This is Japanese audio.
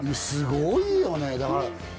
すごいよね。